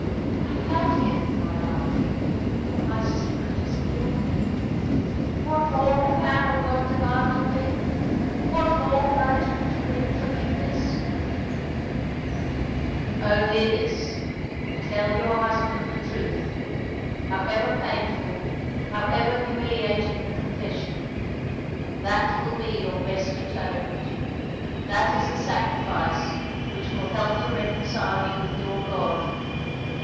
I have given my life — for my secret has killed me. What more can man or God demand of me ? What more can I do to win forgiveness ?"*' Only this — tell your husband the truth — however painful, however humiliating the confession. That will be your best atonement. That is the sacrifice which will help to reconcile you with your God.